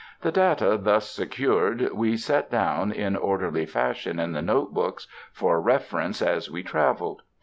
The data thus secured we set down in orderly fashion in the note book for reference as we trav eled.